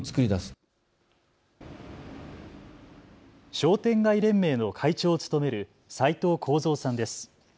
商店街連盟の会長を務める斎藤高蔵さんです。